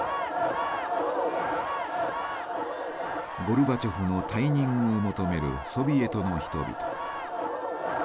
ゴルバチョフの退任を求めるソビエトの人々。